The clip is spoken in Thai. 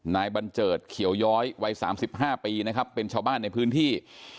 บันเจิดเขียวย้อยวัย๓๕ปีนะครับเป็นชาวบ้านในพื้นที่